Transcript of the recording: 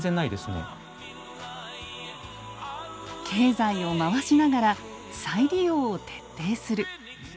経済を回しながら再利用を徹底する。